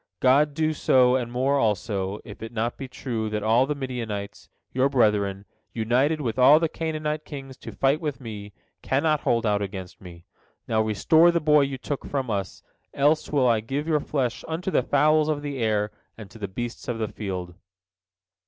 God do so and more also, if it be not true that all the Midianites, your brethren, united with all the Canaanite kings to fight with me, cannot hold out against me. Now restore the boy you took from us, else will I give your flesh unto the fowls of the air and to the beasts of the field."